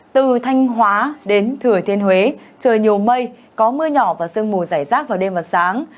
từ thanh hóa đến thừa thiên huế trời nhiều mây có mưa nhỏ và sương mù giải rác vào đêm và sáng